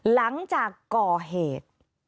หลังจากก่อเหตุ